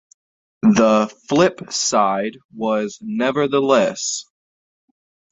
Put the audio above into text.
The flip side was "Nevertheless".